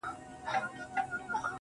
o مجاهد د خداى لپاره دى لوېــدلى.